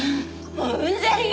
もううんざりよ！